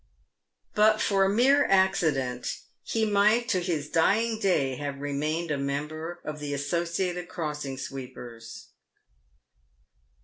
But for a mere accident he might to his dying day have remained a member of the Associated Crossing Sweepers.